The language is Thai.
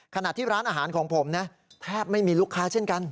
ขณะที่ร้านอาหารของผมนะแทบไม่มีลูกค้าเช่นกัน